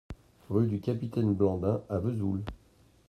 Rue du Capitaine Blandin à Vesoul